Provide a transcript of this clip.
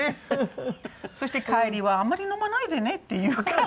そして帰りは「あんまり飲まないでね」って言うから。